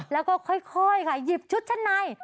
แล้วก็ค่อยค่ะหยิบชุดชั้นใน